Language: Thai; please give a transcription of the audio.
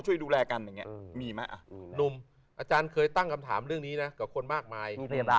ช่วยดูแลกันมีมั้ยอาจารย์เคยตั้งคำถามเรื่องนี้นะกับคนมากมาย